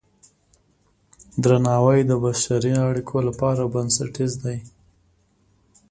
درناوی د بشري اړیکو لپاره بنسټیز دی.